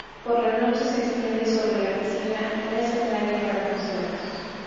Por la noche, se extiende sobre la piscina un escenario para conciertos.